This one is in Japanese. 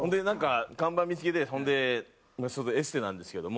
看板見付けてほんでエステなんですけども。